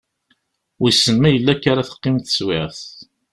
Wissen ma yella akka ara teqqim teswiɛt.